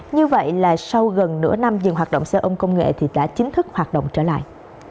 như vậy là sau gần nửa năm dừng hoạt động xe ôn công nghệ thì đã chính thức hoạt động trở lại